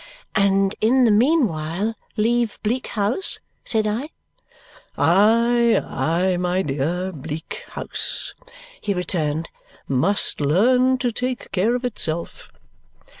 "And in the meanwhile leave Bleak House?" said I. "Aye, my dear? Bleak House," he returned, "must learn to take care of itself."